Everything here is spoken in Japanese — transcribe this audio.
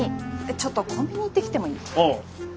ちょっとコンビニ行ってきてもいい？ああ。